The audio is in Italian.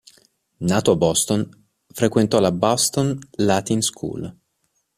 Nato a Boston, frequentò la Boston Latin School.